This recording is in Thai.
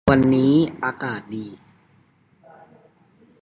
ไม้อ้วนถูกบดขยี้เหมือนเปลือกไข่